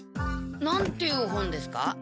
何ていう本ですか？